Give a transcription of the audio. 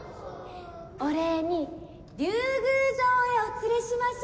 「お礼に竜宮城へお連れしましょう」。